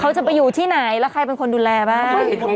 เขาจะไปอยู่ที่ไหนแล้วใครเป็นคนดูแลบ้าง